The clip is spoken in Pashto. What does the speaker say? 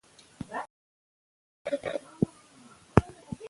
هره هڅه چې د ماشوم لپاره وشي، تاوان نه اړوي.